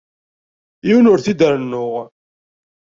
Yiwen ur t-id-rennuɣ.